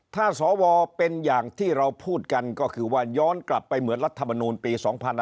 ถ้าสวเป็นอย่างที่เราพูดกันก็คือว่าย้อนกลับไปเหมือนรัฐมนูลปี๒๕๕๙